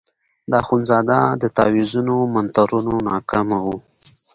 د اخندزاده د تاویزونو منترونه ناکامه وو.